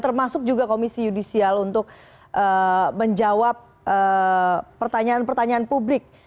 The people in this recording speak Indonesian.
termasuk juga komisi yudisial untuk menjawab pertanyaan pertanyaan publik